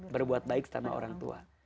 berbuat baik sama orang tua